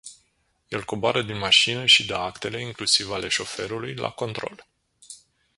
El coboară din mașină și dă actele, inclusiv ale șoferului, la control.